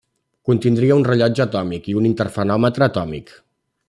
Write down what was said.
Contindria un rellotge atòmic i un interferòmetre atòmic.